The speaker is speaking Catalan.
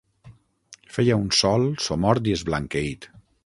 Feia un sol somort i esblanqueït.